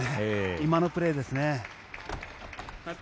今のプレーですね。